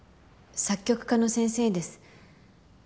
作曲家の先生です。